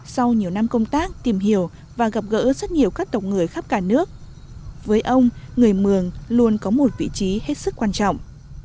sau nhiều năm công tác tìm hiểu và gặp gỡ rất nhiều các tộc người khắp cả nước với ông người mường luôn có một vị trí hết sức quan trọng